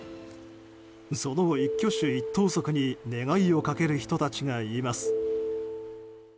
その一挙手一投足に願いをかける人たちがいます。